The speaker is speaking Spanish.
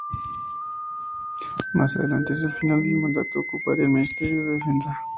Más adelante, hacia el final del mandato, ocuparía el Ministerio de Defensa.